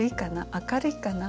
明るいかな？